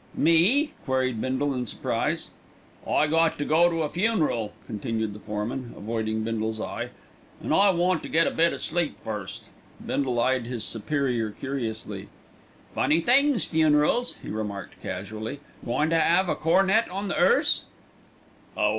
"Me?" queried Bindle in surprise. "I got to go to a funeral," continued the foreman, avoiding Bindle's eye, "an' I want to get a bit o' sleep first." Bindle eyed his superior curiously. "Funny things, funerals," he remarked casually. "Goin' to 'ave a cornet on the 'earse?"